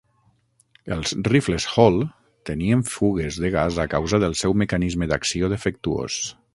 Els rifles Hall tenien fugues de gas a causa del seu mecanisme d'acció defectuós.